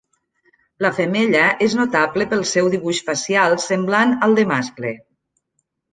La femella és notable pel seu dibuix facial semblant al de mascle.